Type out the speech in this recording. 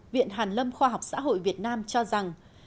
viện hàn lâm khoa học xã hội việt nam cho rằng